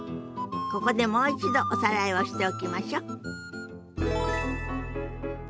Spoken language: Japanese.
ここでもう一度おさらいをしておきましょ。